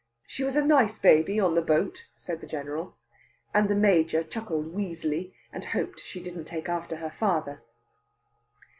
"She was a nice baby on the boat," said the General; and the Major chuckled wheezily, and hoped she didn't take after her father.